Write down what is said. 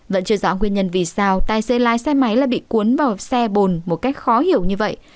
vẫn chưa rõ nguyên nhân vì sao tài xế lái xe máy lại bị cuốn vào xe bồn một cách khó hiểu như vậy